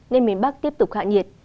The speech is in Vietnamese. nên miền bắc tiếp tục hạ nhiệt